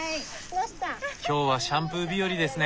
今日はシャンプー日和ですね。